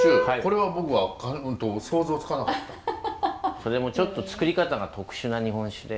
それもちょっと造り方が特殊な日本酒で。